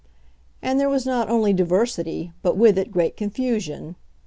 And there was not only diversity, but with it great confusion.